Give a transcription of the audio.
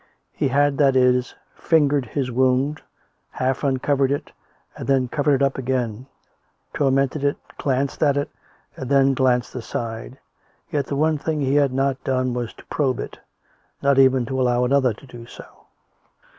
He had, that is, fingered his wound, half uncovered it, and then covered it up again, tormented it, glanced at it and then glanced aside; yet the one thing he had not done was to probe it — not even to allow another to do so.